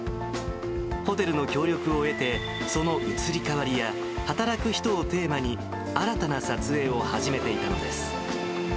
ホテルの協力を得て、その移り変わりや働く人をテーマに、新たな撮影を始めていたのです。